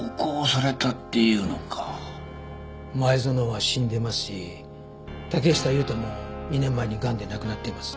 前園は死んでいますし竹下勇太も２年前にがんで亡くなっています。